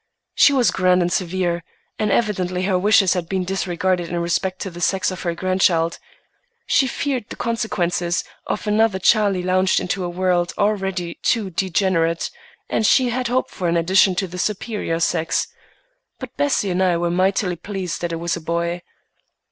She was grand and severe, and evidently her wishes had been disregarded in respect to the sex of her grandchild. She feared the consequences of another Charlie launched into a world already too degenerate, and she had hoped for an addition to the superior sex. But Bessie and I were mightily pleased that it was a boy.